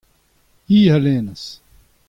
hi a lennas.